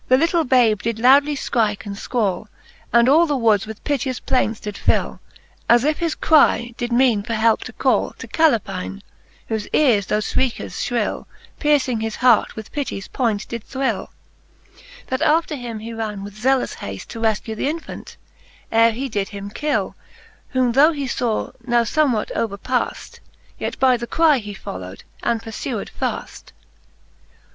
The litle babe did loudly fcrike and fquall, And all the woods with piteous plaints did fill, wAs if his cry did meane for helpe to call To CalepinCf whofe eares thofe fhrieches fhrill Percing his hart with pities point did thrill j That after him he ran with zealous hafte, To re (cue th'infant, ere he did him kill: Whom though he faw now fbmewhat overpaft, Yet by the cry he folio w'd, and purfewed faft.